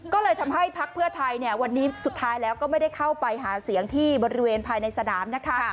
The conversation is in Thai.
ก็เลยทำให้พักเพื่อไทยเนี่ยวันนี้สุดท้ายแล้วก็ไม่ได้เข้าไปหาเสียงที่บริเวณภายในสนามนะคะ